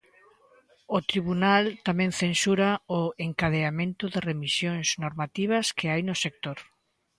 O tribunal tamén censura o "encadeamento de remisións normativas que hai no sector".